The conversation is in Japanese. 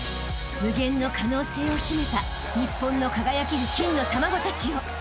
［無限の可能性を秘めた日本の輝ける金の卵たちよ］